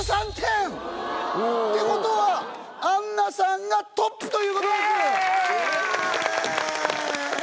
ってことはアンナさんがトップということです。